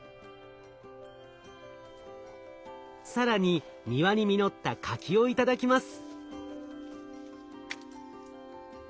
更に庭に実った柿を頂きます。